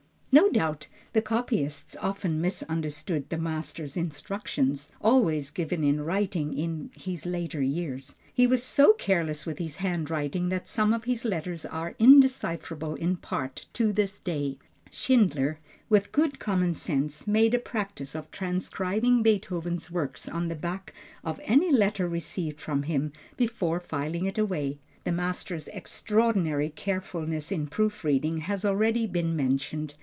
No doubt the copyists often misunderstood the master's instructions, always given in writing in his later years. He was so careless with his handwriting that some of his letters are undecipherable in part, to this day. Schindler, with good common sense made a practice of transcribing Beethoven's words on the back of any letter received from him before filing it away. The master's extraordinary carefulness in proof reading has already been mentioned.